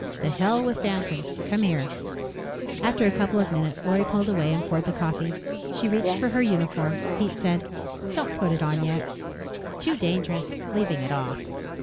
"The hell with phantoms. Come here." After a couple of minutes, Lorry pulled away and poured the coffee. She reached for her uniform. Pete said, "Don't put it on yet." "Too dangerous leaving it off."